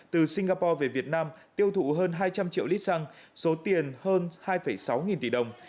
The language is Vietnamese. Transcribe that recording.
từ singapore về việt nam tiêu thụ hơn hai trăm linh triệu lít xăng số tiền hơn hai sáu nghìn tỷ đồng